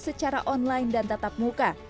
secara online dan tatap muka